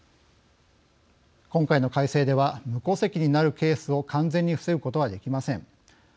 今回の改正では無戸籍になるケースを完全に防ぐことはできません。